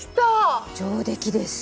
上出来です。